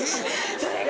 それが。